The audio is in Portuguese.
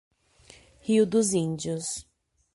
Rio dos Índios